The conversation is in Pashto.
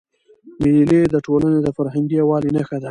مېلې د ټولني د فرهنګي یووالي نخښه ده.